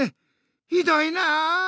ひどいなあ！